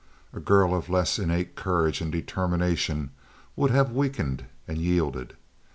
A girl of less innate courage and determination would have weakened and yielded.